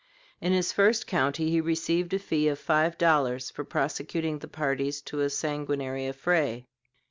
In his first county he received a fee of five dollars for prosecuting the parties to a sanguinary affray.